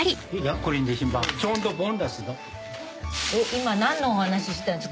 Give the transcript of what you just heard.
今何のお話してたんですか？